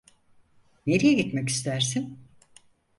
Nereye gitmek istersin?